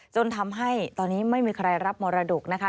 จนทำให้ตอนนี้ไม่มีใครรับมรดกนะคะ